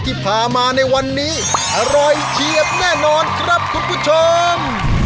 ที่พามาในวันนี้อร่อยเฉียบแน่นอนครับคุณผู้ชม